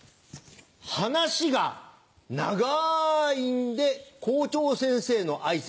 「話」が長いんで校長先生の挨拶。